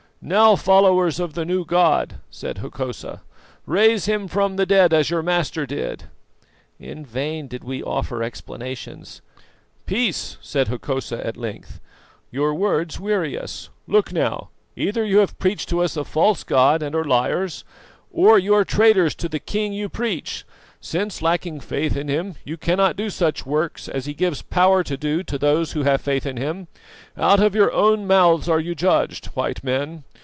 "'Now, followers of the new God,' said Hokosa, 'raise him from the dead as your Master did!' "In vain did we offer explanations. "'Peace!' said Hokosa at length, 'your words weary us. Look now, either you have preached to us a false god and are liars, or you are traitors to the King you preach, since, lacking faith in Him, you cannot do such works as He gives power to do to those who have faith in Him. Out of your own mouths are you judged, White Men.